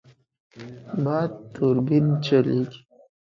باد توربین چلېږي.